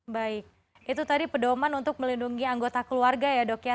baik itu tadi pedoman untuk melindungi anggota keluarga ya dok ya